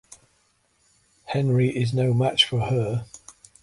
Henry is no match for her.